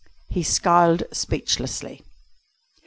He scowled speechlessly.